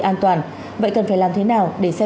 an toàn vậy cần phải làm thế nào để xe